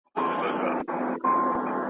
د لوی استاد پوهاند حبيبي صاحب ځيني آثار